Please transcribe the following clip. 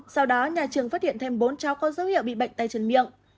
sau đó nhà trường phát hiện thêm bốn cháu có dấu hiệu bị bệnh tay chân miệng